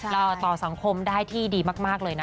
ต่อสังคมได้ที่ดีมากเลยนะ